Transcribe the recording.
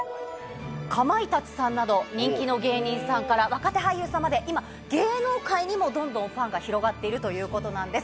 かまいたちさんなど人気の芸人さんから若手俳優さんまで今芸能界にもどんどんファンが広がっているということなんです。